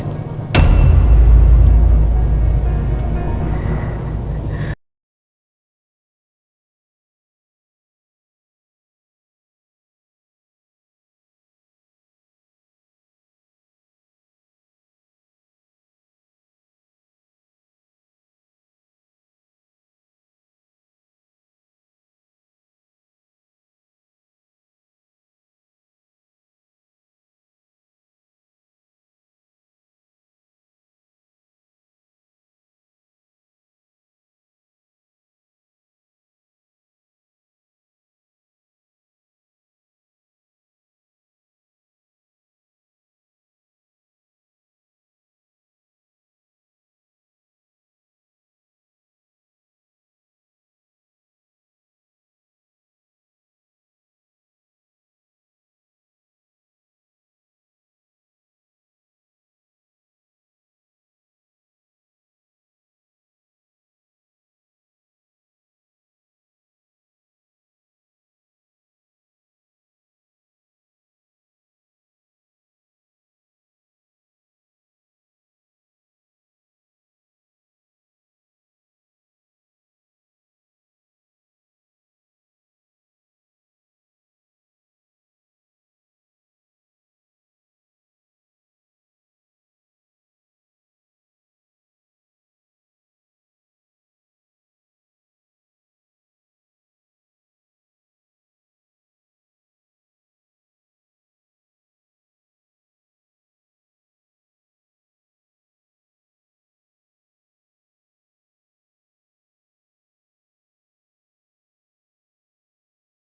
aku gak pernah selingkuh mas